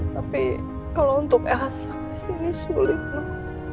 tapi kalau untuk elsa kesini sulit noh